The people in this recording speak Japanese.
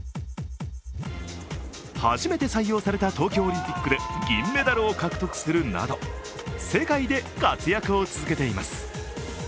初めて採用された東京オリンピックで銀メダルを獲得するなど世界で活躍を続けています。